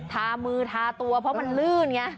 ทามือทาตัวเพราะมันลื่นไง